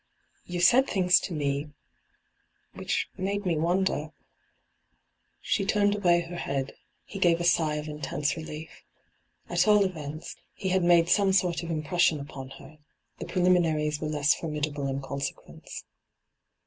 You said things to me — which made me wonder ' She turned away her head. He gare a sigh of intense relief. At all events, he had made some sort of impression upon her ; the preliminaries were less formidable in conse quenoe.